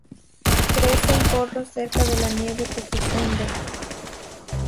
Crece en corros cerca de la nieve que se funde.